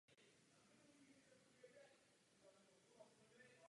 Turisticky atraktivním územím prochází množství turistických značených tras.